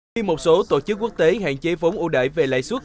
khi một số tổ chức quốc tế hạn chế phóng ưu đại về lãi suất